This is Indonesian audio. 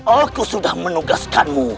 aku sudah menugaskanmu